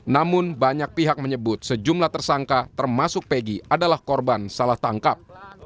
namun banyak pihak menyebut sejumlah tersangka termasuk pegi adalah korban salah tangkap